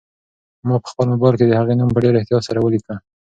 ما په خپل موبایل کې د هغې نوم په ډېر احتیاط سره ولیکه.